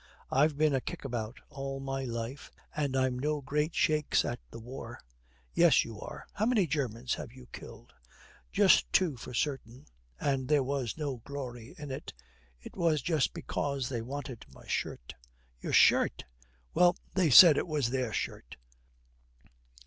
'I've been a kick about all my life, and I'm no great shakes at the war.' 'Yes, you are. How many Germans have you killed?' 'Just two for certain, and there was no glory in it. It was just because they wanted my shirt.' 'Your shirt?' 'Well, they said it was their shirt.'